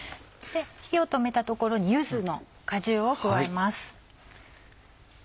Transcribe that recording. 火を止めたところに柚子の果汁を加えます。